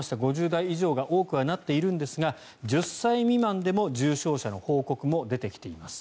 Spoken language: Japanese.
５０代以上が多くはなっていますが１０歳未満でも重症者の報告も出てきています。